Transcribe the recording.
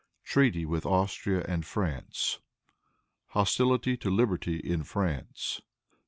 Treaty with Austria and France. Hostility to Liberty in France.